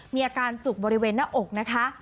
มีอาการจุกบริเวณหน้าอกนะคะ